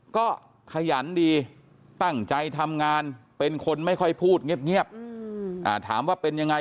ก็ขยันดีตั้งใจทำงานเป็นคนไม่ค่อยพูดเงียบถามว่าเป็นยังไง